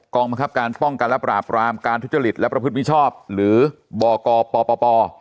กองบังคับการป้องกันลับหลาบรามการทุจริตและประพฤติมิชชอบหรือบ่อกอบป่อป่อป่อ